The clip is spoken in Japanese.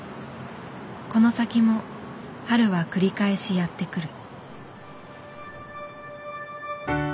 この先も春は繰り返しやってくる。